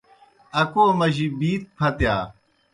اکو مجی بِیت پھتِیا۔